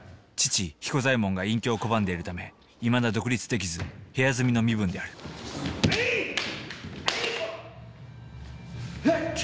父彦左衛門が隠居を拒んでいるためいまだ独立できず部屋住みの身分であるえい！